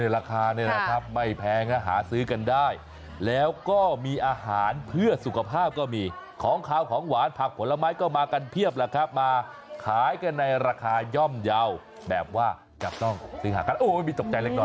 ราคาเนี่ยนะครับไม่แพงหาซื้อกันได้แล้วก็มีอาหารเพื่อสุขภาพก็มีของขาวของหวานผักผลไม้ก็มากันเพียบแหละครับมาขายกันในราคาย่อมเยาว์แบบว่าจับต้องซื้อหากันโอ้ยมีตกใจเล็กน้อย